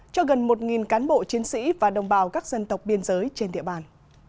cho gần một cán bộ chiến sĩ và đồng bào các dân tộc biên giới trên địa bàn